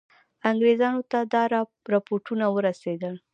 انګرېزانو ته دا رپوټونه ورسېدل.